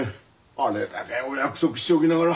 あれだけお約束しておきながら。